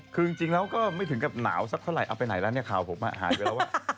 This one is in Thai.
คือจริงแล้วก็ไม่ถึงกับหนาวสักเท่าไหร่เอาไปไหนแล้วเนี่ยข่าวผมหายไปแล้วว่า